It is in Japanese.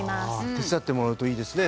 手伝ってもらうといいですね